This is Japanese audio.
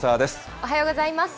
おはようございます。